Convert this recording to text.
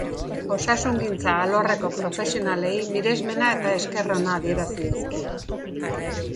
Osasungintza alorreko profesionalei miresmena eta esker ona adierazi dizkie.